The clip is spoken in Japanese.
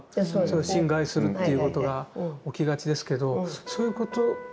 侵害するっていうことが起きがちですけどそういうことがなかった。